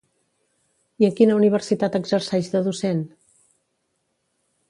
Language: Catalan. I en quina universitat exerceix de docent?